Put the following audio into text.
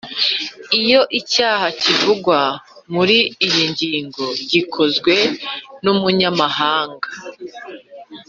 iyo icyaha kivugwa muri iyi ngingo gikozwe n’umunyamahanga,